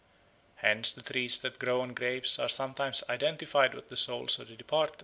Hence the trees that grow on graves are sometimes identified with the souls of the departed.